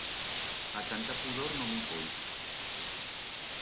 A tanta pudor, no me i foi.